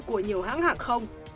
của nhiều hãng hàng không